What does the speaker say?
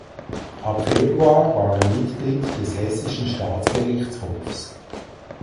Ab Februar war er Mitglied des Hessischen Staatsgerichtshofs.